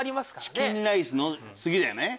チキンライスの次だよね。